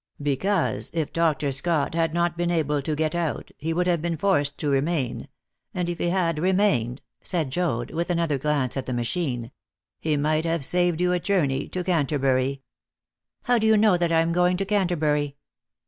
"Because, if Dr. Scott had not been able to get out, he would have been forced to remain; and if he had remained," said Joad, with another glance at the machine, "he might have saved you a journey to Canterbury." "How do you know that I am going to Canterbury?"